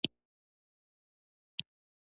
ښه راغلاست.